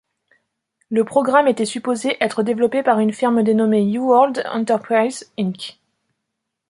Le programme était supposé être développé par une firme dénommée µWord Enterprises, Inc.